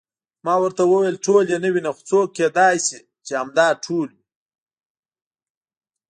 ما ورته وویل: ټول یې نه وینم، خو کېدای شي چې همدا ټول وي.